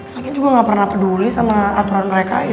lakin juga gak pernah peduli sama aturan mereka itu